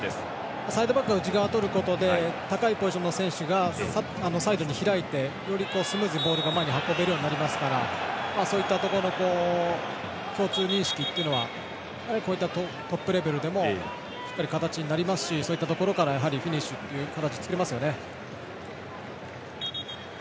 サイドバックの内側を取ることで高いポジションの選手がサイドに開いてよりスムーズにボールが前に運べるようになりますからそういったところ共通認識というのはこういったトップレベルでもしっかり形になりますしそういったところからフィニッシュっていう形作れますよね。